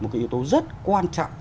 một cái yếu tố rất quan trọng